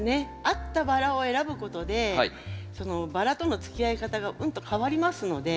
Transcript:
合ったバラを選ぶことでそのバラとのつきあい方がうんと変わりますので。